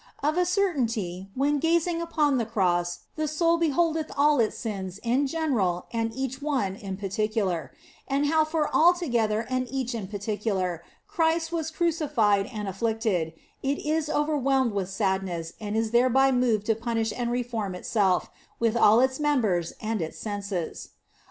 Of a certainty, when in gazing upon the Cross the soul beholdeth all its sins in general and each one in particular, and how for all together and each in particular, Christ was crucified and afflicted, it is overwhelmed with sadness and is thereby moved to punish and reform itself, with all its members and its senses.